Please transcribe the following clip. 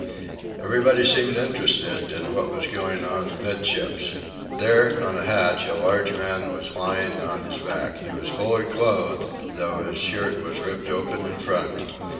Everybody seemed interested in what was going on amid ships. There, on a hatch, a large man was lying on his back. He was fully clothed, though his shirt was ripped open in front.